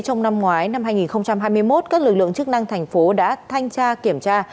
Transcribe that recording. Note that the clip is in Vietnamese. trong năm ngoái năm hai nghìn hai mươi một các lực lượng chức năng thành phố đã thanh tra kiểm tra